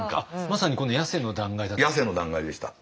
まさにこのヤセの断崖だった？